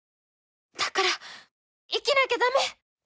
だから生きなきゃダメ！